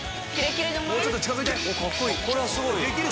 もうちょっと近づいて！